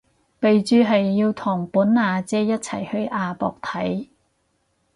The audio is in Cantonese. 備註係要同本阿姐一齊去亞博睇